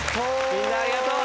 みんなありがとう！